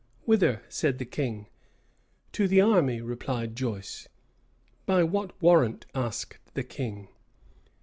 "Whither?" said the king. "To the army," replied Joyce. "By what warrant?" asked the king.